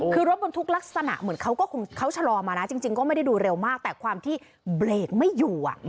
คือรถบรรทุกลักษณะเหมือนเขาก็คงเขาชะลอมานะจริงก็ไม่ได้ดูเร็วมากแต่ความที่เบรกไม่อยู่